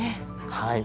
はい。